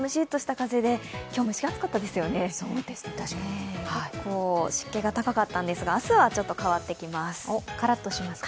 結構湿気が高かったんですが、明日はちょっと変わってきます。